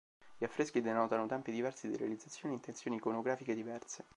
Gli affreschi denotano tempi diversi di realizzazione e intenzioni iconografiche diverse.